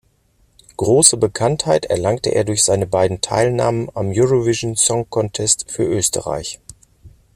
Große Bekanntheit erlangte er durch seine beiden Teilnahmen am Eurovision Song Contest für Österreich.